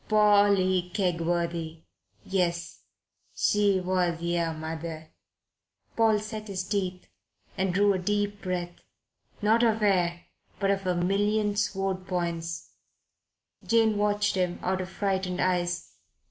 "Polly Kegworthy? Yes. She was yer mother." Paul set his teeth and drew a deep breath not of air, but of a million sword points, Jane watched him out of frightened eyes.